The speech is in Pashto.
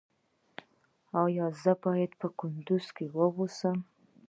ایا زه باید په کندز کې اوسم؟